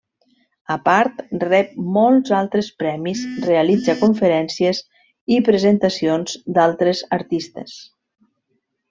A part, rep molts altres premis, realitza conferències i presentacions d'altres artistes.